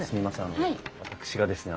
あの私がですね